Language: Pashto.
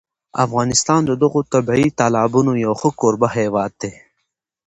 افغانستان د دغو طبیعي تالابونو یو ښه کوربه هېواد دی.